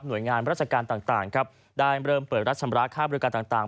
โดยงานราชการต่างครับได้เริ่มเปิดรับชำระค่าบริการต่าง